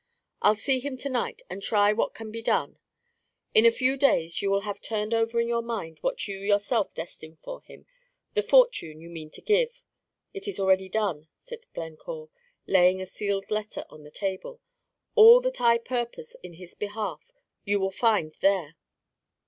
"I 'll see him to night, and try what can be done. In a few days you will have turned over in your mind what you yourself destine for him, the fortune you mean to give " "It is already done," said Glencore, laying a sealed letter on the table. "All that I purpose in his behalf you will find there."